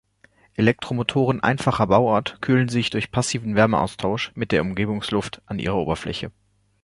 Elektromotoren einfacher Bauart kühlen sich durch passiven Wärmeaustausch mit der Umgebungsluft an ihrer Oberfläche.